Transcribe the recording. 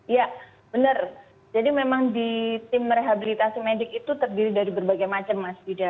ya benar jadi memang di tim rehabilitasi medik itu terdiri dari berbagai macam mas yuda